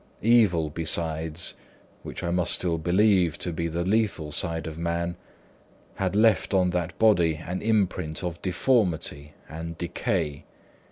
Evil besides (which I must still believe to be the lethal side of man) had left on that body an imprint of deformity and decay.